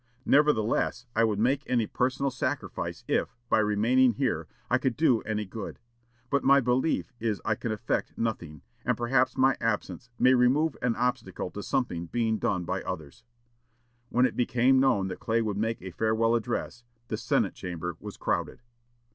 Nevertheless, I would make any personal sacrifice if, by remaining here, I could do any good; but my belief is I can effect nothing, and perhaps my absence may remove an obstacle to something being done by others." When it became known that Clay would make a farewell address, the Senate chamber was crowded.